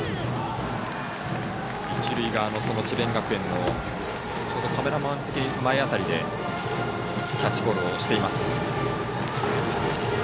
一塁側の智弁学園のカメラマン席前辺りでキャッチボールをしています。